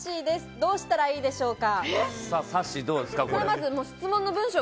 どうしたらいいでしょうか？